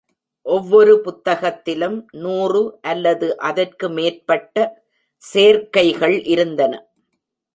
ஒவ்வொரு புத்தகத்திலும் நூறு அல்லது அதற்கு மேற்பட்ட சேர்க்கைகள் இருந்தன.